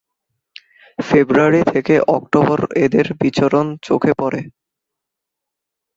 ফেব্রুয়ারি থেকে অক্টোবর এদের বিচরণ চোখে পড়ে।